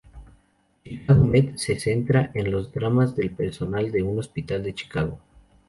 Chicago Med se centra en los dramas del personal de un hospital de Chicago.